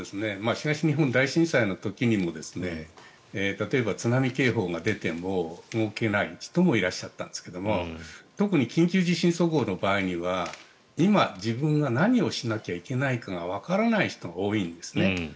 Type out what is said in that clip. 東日本大震災の時にも例えば津波警報が出ても動けない人もいらっしゃったんですが特に緊急地震速報の場合には今、自分が何をしなきゃいけないかがわからない人が多いんですね。